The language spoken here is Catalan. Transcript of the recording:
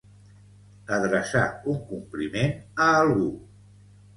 Adreçar un compliment a algú.